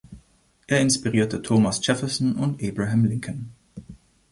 Es inspirierte Thomas Jefferson und Abraham Lincoln.